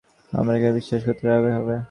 আপনাকে বিশ্বাস রাখতে হবে।